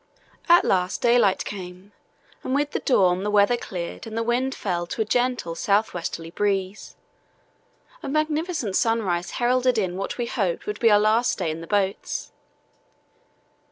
At last daylight came, and with the dawn the weather cleared and the wind fell to a gentle south westerly breeze. A magnificent sunrise heralded in what we hoped would be our last day in the boats.